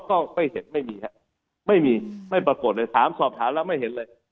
ก็ไม่เห็นไม่มีครับไม่มีไม่ปรากฏเลยถามสอบถามแล้วไม่เห็นเลย